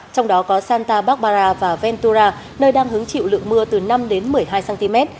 trong đó có santa barbara và ventura nơi đang hứng chịu lượng mưa từ năm đến một mươi hai cm